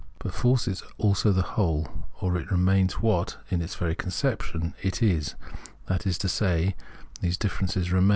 But force is also the whole, or it remains what, in its very conception, it is ; that is to say, these differences remain VOL.